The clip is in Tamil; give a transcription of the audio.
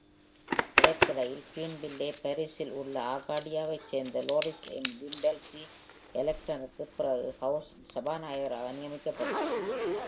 இதற்கிடையில், பீன்வில்லே பாரிஷில் உள்ள ஆர்காடியாவைச் சேர்ந்த லோரிஸ் எம். விம்பர்லி, எலெண்டருக்குப் பிறகு ஹவுஸ் சபாநாயகராக நியமிக்கப்பட்டார்.